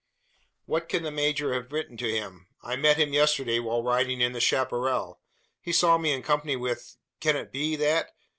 "What can the major have written to him? I met him yesterday while riding in the chapparal. He saw me in company with Can it be that?